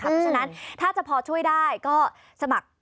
เพราะฉะนั้นถ้าจะพอช่วยได้ก็สมัคร